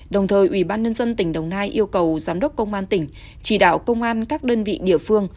đồng thời ủy ban nhân dân tỉnh đồng nai yêu cầu giám đốc công an tỉnh chỉ đạo công an các đơn vị địa phương